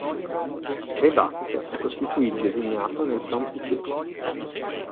Rebaque sostituì il designato Nelson Piquet.